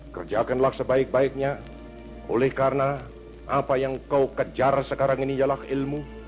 kerjakanlah sebaik baiknya oleh karena apa yang kau kejar sekarang ini ialah ilmu